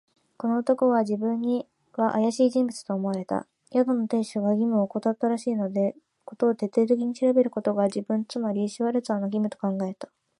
この男は自分にはあやしい人物と思われた。宿の亭主が義務をおこたったらしいので、事を徹底的に調べることが、自分、つまりシュワルツァーの義務と考えた。